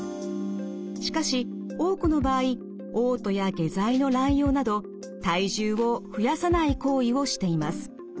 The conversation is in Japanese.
しかし多くの場合おう吐や下剤の乱用など体重を増やさない行為をしています。